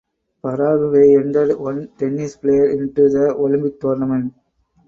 Paraguay entered one tennis player into the Olympic tournament.